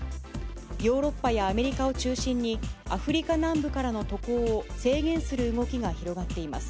ヨーロッパやアメリカを中心に、アフリカ南部からの渡航を制限する動きが広がっています。